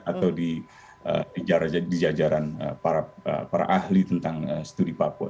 atau di jajaran para ahli tentang studi papua